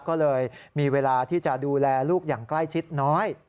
ก็เลยมีเวลาที่จะดูแลลูกอย่างใกล้ชิดน้อย